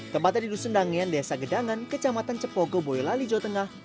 tempatnya di dusun dangian desa gedangan kecamatan cepogo boyo lali jawa tengah